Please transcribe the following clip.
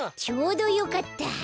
ちょうどよかった。